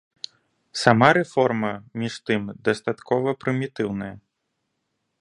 Сама рэформа, між тым, дастаткова прымітыўная.